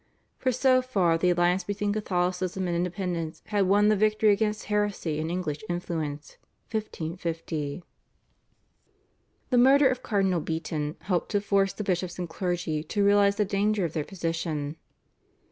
For so far the alliance between Catholicism and independence had won the victory against heresy and English influence (1550). The murder of Cardinal Beaton helped to force the bishops and clergy to realise the danger of their position.